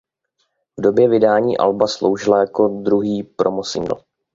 V době vydání alba sloužila jako druhý promo singl.